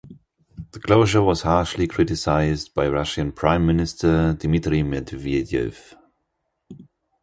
The closure was harshly criticized by Russian Prime Minister Dmitry Medvedev.